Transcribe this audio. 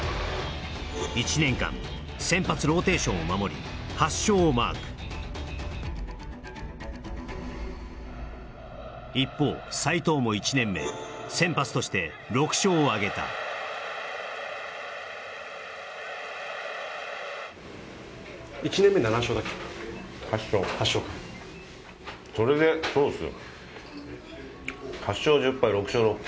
１年間先発ローテーションを守り８勝をマーク一方斎藤も１年目先発として６勝を挙げた８勝かそれでそうっすよ